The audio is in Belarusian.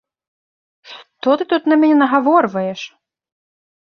Што ты тут на мяне нагаворваеш!